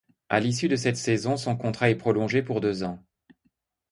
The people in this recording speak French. À l'issue de cette saison, son contrat est prolongé pour deux ans.